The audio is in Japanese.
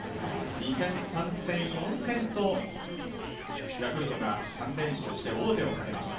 ２戦、３戦、４戦とヤクルトが３連勝して王手をかけました。